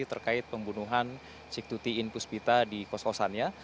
terkait pembunuhan cik tuti in puspita di kos kosannya